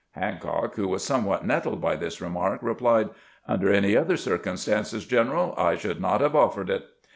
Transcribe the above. Hancock, who was somewhat nettled by this remark, replied, "Under any other circumstances, general, I should not have offered it."